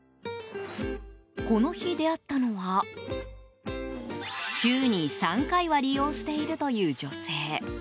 この日、出会ったのは週に３回は利用しているという女性。